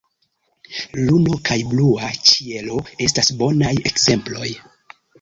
Luno kaj blua ĉielo estas bonaj ekzemploj.